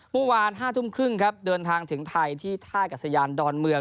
เมื่อวาน๕ทุ่มครึ่งครับเดินทางถึงไทยที่ท่ากัศยานดอนเมือง